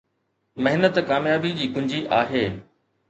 محنت ڪاميابي جي ڪنجي آهي